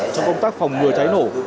trong công tác phòng ngừa cháy nổ